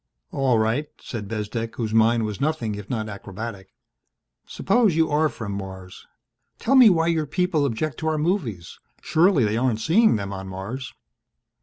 "All right," said Bezdek, whose mind was nothing if not acrobatic. "Suppose you are from Mars. Tell me why your people object to our movies. Surely they aren't seeing them on Mars?"